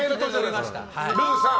ルーさん！